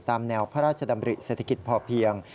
ตามแนวพระราชดำริเศรษฐกิจพอเพียง